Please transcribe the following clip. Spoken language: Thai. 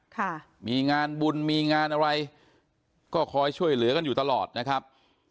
ค่ะมีงานบุญมีงานอะไรก็คอยช่วยเหลือกันอยู่ตลอดนะครับ